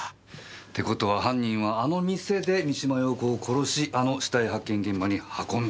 って事は犯人はあの店で三島陽子を殺しあの死体発見現場に運んだ。